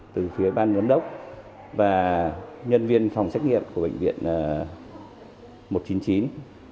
từ phía ban giám đốc và nhân viên phòng xét nghiệm của bệnh viện một trăm chín mươi chín